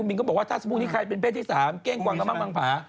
บอกว่าถ้าสมุทรที่ใครเป็นเพศที่สามแกล้งกว่างน้ำมังมังผา